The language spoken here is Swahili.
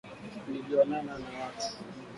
nilionana na watu